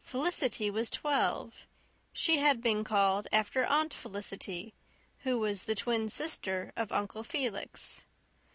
Felicity was twelve. She had been called after Aunt Felicity, who was the twin sister of Uncle Felix.